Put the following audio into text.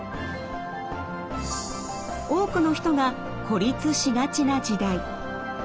多くの人が孤立しがちな時代。